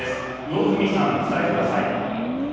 魚住さん、伝えてください。